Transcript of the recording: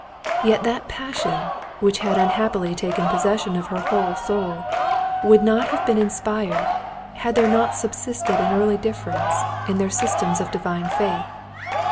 Yet that passion, which had unhappily taken possession of her whole soul, would not have been inspired, had there not subsisted an early difference, in their systems of divine faith.